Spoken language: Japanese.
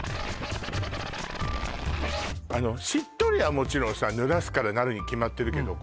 あのしっとりはもちろんさ濡らすからなるに決まってるけど